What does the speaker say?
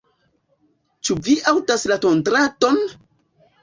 Ĉu vi aŭdas la tondradon?